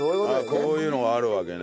こういうのがあるわけね。